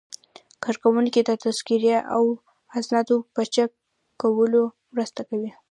کارکوونکي د تذکرې او اسنادو په چک کولو کې مرسته کوي.